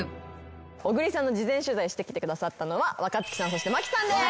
小栗さんの事前取材してきてくださったのは若槻さんそして麻貴さんです。